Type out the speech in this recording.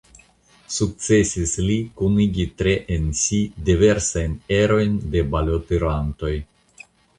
Sukcesis li kunigi tre en si diversajn erojn de balotirantoj.